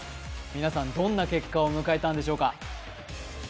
皆さん、どんな結果を迎えたんでしょうか？